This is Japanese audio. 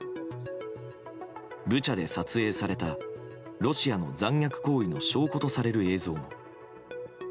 ブチャで撮影されたロシアの残虐行為の証拠とされる映像も。